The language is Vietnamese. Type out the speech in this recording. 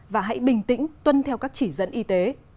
và hãy bình tĩnh tuân theo các chỉ dẫn y tế